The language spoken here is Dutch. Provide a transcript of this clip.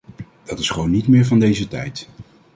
Dat is gewoon niet meer van deze tijd.